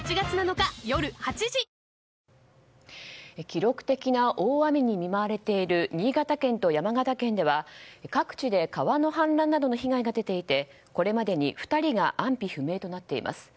記録的な大雨に見舞われている新潟県と山形県では各地で川の氾濫などの被害が出ていてこれまでに２人が安否不明となっています。